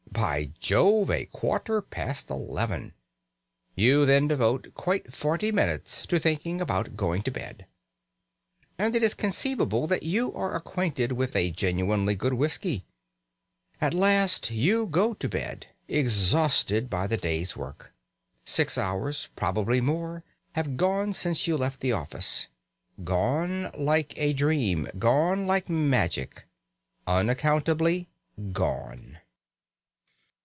By Jove! a quarter past eleven. You then devote quite forty minutes to thinking about going to bed; and it is conceivable that you are acquainted with a genuinely good whisky. At last you go to bed, exhausted by the day's work. Six hours, probably more, have gone since you left the office gone like a dream, gone like magic, unaccountably gone!